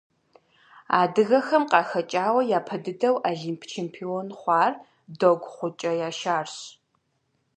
Адыгэхэм къахэкӀауэ япэ дыдэу Олимп чемпион хъуар Догу-ГъукӀэ Яшарщ.